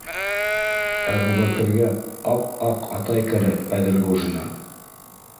Әбүбәкергә ап-аҡ атай кәрәк, Әҙелғужина!